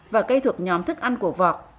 và cây thuộc nhóm thức ăn của vọc